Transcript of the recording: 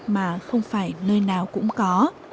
mà không phải nơi nào cũng có